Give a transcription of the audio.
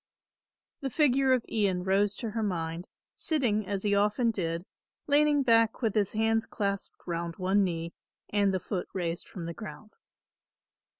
The figure of Ian rose to her mind, sitting as he often did, leaning back with his hands clasped round one knee and the foot raised from the ground.